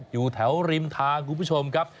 อยู่แถวริมทางคุณผู้ชมครับ